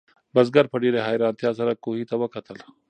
بزګر په ډېرې حیرانتیا سره کوهي ته وکتل.